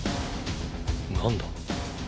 何だ？